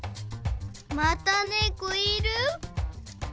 またねこいる？